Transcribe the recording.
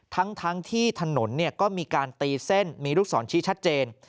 ทั้งที่ถนนก็มีการตีเส้นมีลูกศรชี้ชัดเจน